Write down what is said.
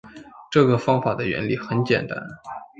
这个方法的原理很简单